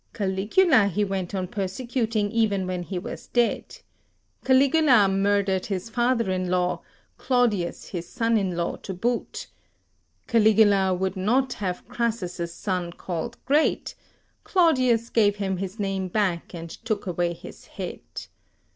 Caligula he went on persecuting even when he was dead. Caligula murdered his father in law, Claudius his son in law to boot. Caligula would not have Crassus' son called Great; Claudius gave him his name back, and took away his head.